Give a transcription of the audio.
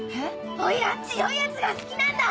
おいら強い奴が好きなんだ。